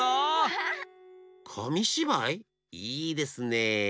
いいですねえ。